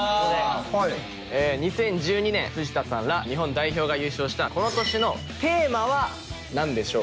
２０１２年藤田さんら日本代表が優勝したこの年のテーマは何でしょう？